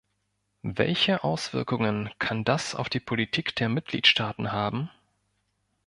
Welche Auswirkungen kann das auf die Politik der Mitgliedstaaten haben?